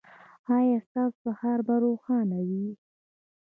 ایا ستاسو سهار به روښانه وي؟